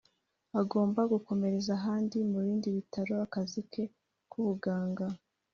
akagomba gukomereza ahandi mu bindi bitaro akazi ke k’ubuganga